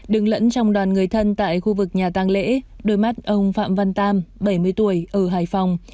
đứng lẫn trong đoàn người thân tại khu vực nhà tăng lễ đôi mắt ông phạm văn tam bảy mươi tuổi ở hải phòng